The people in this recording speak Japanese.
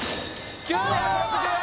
９６０円